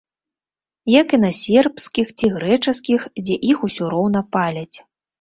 Як і на сербскіх ці грэчаскіх, дзе іх усё роўна паляць.